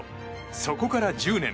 そこから１０年。